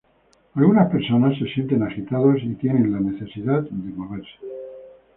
Algunas personas se sienten agitados y tienen la necesidad de moverse.